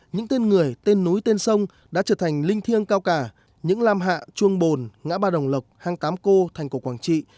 những tên người tên núi tên sông đã trở thành linh thiêng cao cả những lam hạ chuông bồn ngã ba đồng lộc hang tám cô thành cổ quảng trị